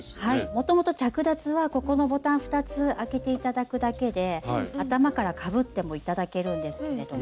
もともと着脱はここのボタン２つ開けて頂くだけで頭からかぶっても頂けるんですけれども。